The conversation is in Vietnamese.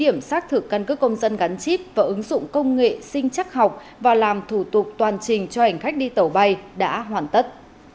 điểm xác thực căn cước công dân gắn chip và ứng dụng công nghệ sinh chắc học và làm thủ tục toàn trình cho hành khách đi tàu bay đã hoàn tất